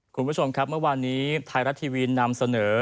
คุณผู้ชมครับเมื่อวานนี้ไทยรัฐทีวีนำเสนอ